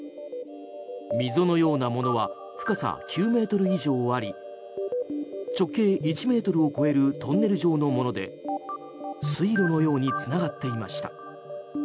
溝のようなものは深さ９ｍ以上あり直径１ｍを超えるトンネル状のもので水路のようにつながっていました。